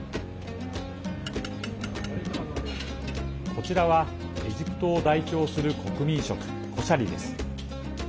こちらはエジプトを代表する国民食、コシャリです。